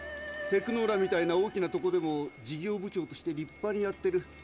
テクノーラみたいな大きなとこでも事業部長として立派にやってる。